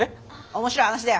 面白い話だよ。